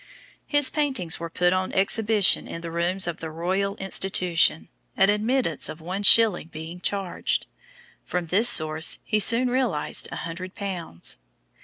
His paintings were put on exhibition in the rooms of the Royal Institution, an admittance of one shilling being charged. From this source he soon realised a hundred pounds.